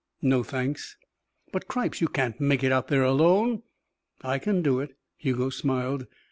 "No, thanks." "But, cripes, you can't make it there alone." "I can do it." Hugo smiled.